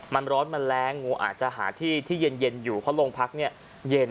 มันร้อนมันแรงงูอาจจะหาที่ที่เย็นอยู่เพราะโรงพักเนี่ยเย็น